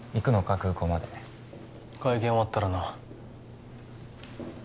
空港まで会見終わったらな